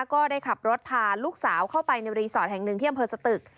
ก็ได้ขับรถพาลูกสาวเข้าไปในรีสอร์ทแห่งหนึ่งที่อำเภอสตึก